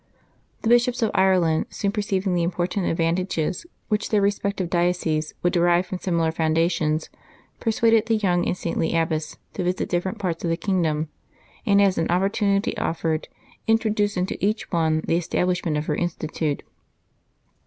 The bishops of Ireland, soon perceiving the important advantages which their respective dioceses would derive from similar foundations, persuaded the young and saintly abbess to visit different parts of the kingdom, and, as an opportunity offered, introduce into each one the establishment of her institute.